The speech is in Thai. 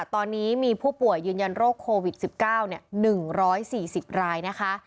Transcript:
ตอนนี้มีผู้ป่วยยืนยันโรคโควิด๑๙๑๔๐รายนะคะ